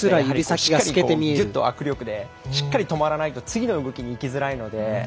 しっかりとぎゅっと握力でしっかり止まらないと次の動きに行きづらいので。